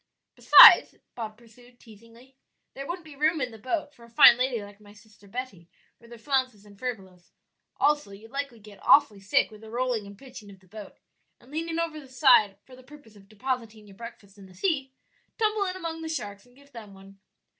"Besides," pursued Bob, teasingly, "there wouldn't be room in the boat for a fine lady like my sister Betty, with her flounces and furbelows; also you'd likely get awfully sick with the rolling and pitching of the boat, and leaning over the side for the purpose of depositing your breakfast in the sea, tumble in among the sharks and give them one."